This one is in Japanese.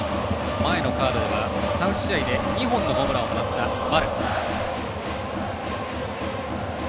前のカードでは３試合で２本のホームランを放った丸。